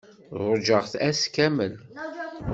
Ṛujaɣ-t ass kamel.